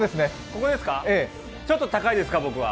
ちょっと高いですか、僕は？